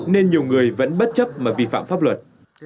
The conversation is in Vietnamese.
nên nhiều người vẫn bất chấp mà vi phạm pháp luật